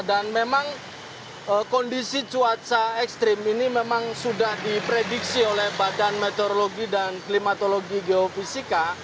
dan memang kondisi cuaca ekstrim ini memang sudah diprediksi oleh badan meteorologi dan klimatologi geofisika